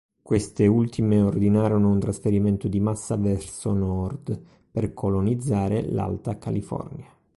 Queste ultime ordinarono un trasferimento di massa verso nord per colonizzare l'Alta California.